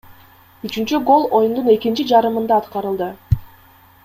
Үчүнчү гол оюндун экинчи жарымында аткарылды.